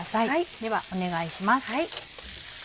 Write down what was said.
ではお願いします。